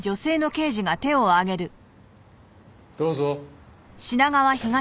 どうぞ。